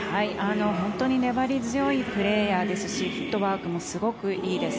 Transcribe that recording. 本当に粘り強いプレーヤーですしフットワークもすごくいいです。